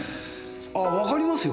あっわかりますよ。